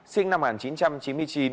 sinh năm một nghìn chín trăm chín mươi chín